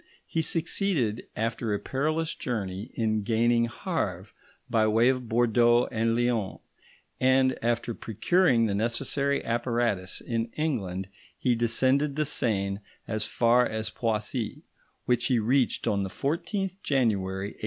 He succeeded, after a perilous journey, in gaining Havre by way of Bordeaux and Lyons; and after procuring the necessary apparatus in England, he descended the Seine as far as Poissy, which he reached on the 14th January 1871.